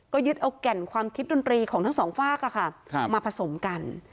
ก็ยึดเอาแก่นความคิดดนตรีของทั้งสองฝากมาผสมกัน